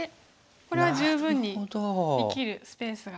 これは十分に生きるスペースが。